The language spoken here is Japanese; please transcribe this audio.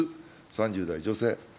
３０代女性。